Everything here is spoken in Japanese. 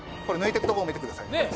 これ抜いてくとこ見てください。